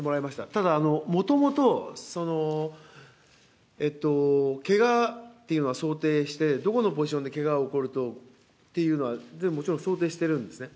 ただ、もともと、けがというのは想定して、どこのポジションでけがが起こるとっていうのは、全部もちろん想定しているんですね。